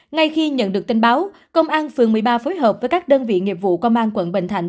ngay khi nhận được tin báo công an phường một mươi ba phối hợp với các đơn vị nghiệp vụ công an quận bình thạnh